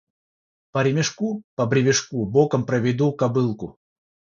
По ремешку, по бревешку боком проведу кобылку.